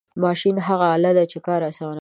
ماشین هغه آله ده چې کار آسانوي.